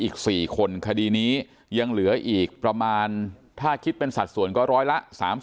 อีก๔คนคดีนี้ยังเหลืออีกประมาณถ้าคิดเป็นสัดส่วนก็ร้อยละ๓๐